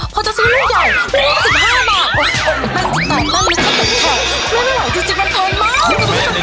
พอจะซื้อลูกใหญ่นั้นลูก๕๕บาท